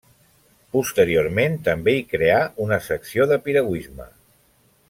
Posteriorment també hi creà una secció de piragüisme.